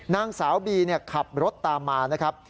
นางสาวบีขับรถตามมานะครับ